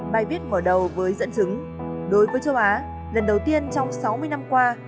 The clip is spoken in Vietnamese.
bài viết mở đầu với dẫn chứng đối với châu á lần đầu tiên trong sáu mươi năm qua